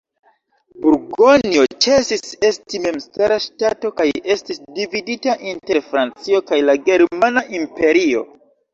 Burgonjo ĉesis esti memstara ŝtato kaj estis dividita inter Francio kaj la germana imperio.